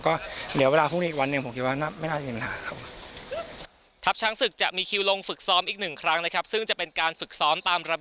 แต่ว่าก็ไม่น่าจะมีปัญหาครับผม